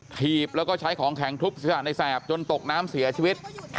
ถีบแล้วก็ใช้ของแข็งทุบศีรษะในแสบจนตกน้ำเสียชีวิต